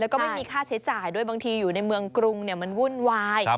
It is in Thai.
แล้วก็ไม่มีค่าใช้จ่ายด้วยบางทีอยู่ในเมืองกรุงมันวุ่นวาย